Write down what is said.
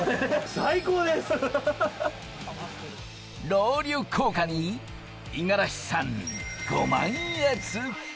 ロウリュ効果に五十嵐さん、ご満悦。